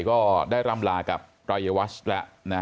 ก็ได้ร่ำลากับระเยวาสและ